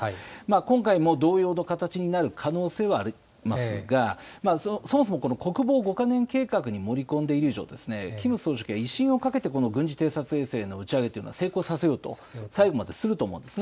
今回も同様の形になる可能性はありますがそもそも国防５か年計画に盛り込んでいる以上、キム総書記は威信をかけてこの軍事偵察衛星の打ち上げというのは成功させようと最後まですると思うんです。